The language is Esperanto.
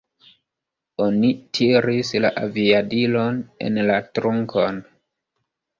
Oni tiris la aviadilon en la trunkon.